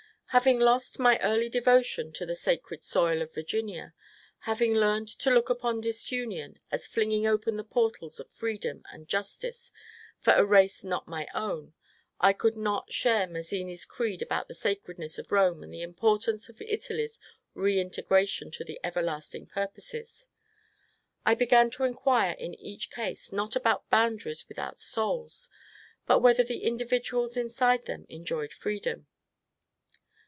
Having lost my early devotion to the ^^ sacred soil " of Virginia, having learned to look upon disunion as flinging open the portals of freedom and justice for a race not my own, I could not share Maz zini's creed about the sacredness of Rome and the importance of Italy's reintegration to the everlasting purposes. I began to inquire in each case not about boundaries without souls, but whether the individuals inside them enjoyed freedom.